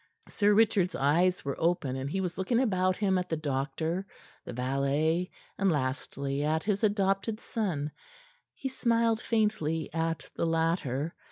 Sir Richard's eyes were open, and he was looking about him at the doctor, the valet, and, lastly, at his adopted son. He smiled faintly at the latter.